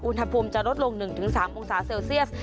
อุณหภูมิจะลดลง๑๓องศาเซลเซียส